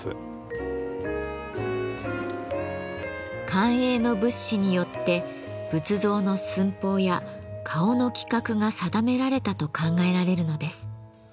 官営の仏師によって仏像の寸法や顔の規格が定められたと考えられるのです。